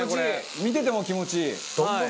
見てても気持ちいい。